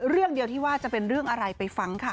เรื่องเดียวที่ว่าจะเป็นเรื่องอะไรไปฟังค่ะ